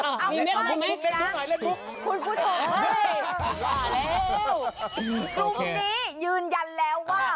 ลุคนี้ยืนยันแล้วว่า